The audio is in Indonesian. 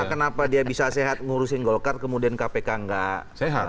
kenapa dia bisa sehat ngurusin golkar kemudian kpk nggak sehat